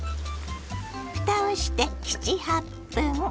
ふたをして７８分。